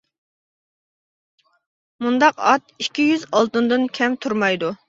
مۇنداق ئات ئىككى يۈز ئالتۇندىن كەم تۇرمايدۇ.